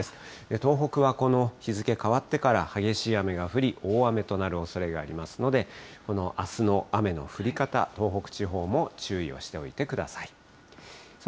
東北はこの日付変わってから、激しい雨が降り、大雨となるおそれがありますので、このあすの雨の降り方、東北地方も注意をしておいてください。